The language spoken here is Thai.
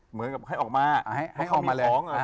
เหมือนกับให้ออกมาเขามีของ